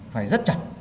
phải rất chặt